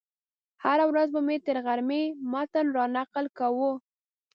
هره ورځ به مې تر غرمې متن رانقل کاوه.